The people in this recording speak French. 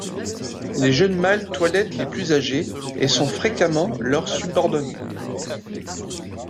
Les jeunes mâles toilettent les plus âgés et sont fréquemment leurs subordonnés.